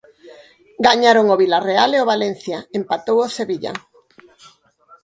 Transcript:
Gañaron o Vilarreal e o Valencia, empatou o Sevilla.